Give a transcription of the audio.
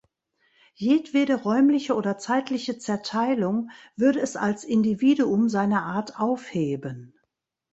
Jedwede räumliche oder zeitliche Zerteilung würde es als Individuum seiner Art aufheben.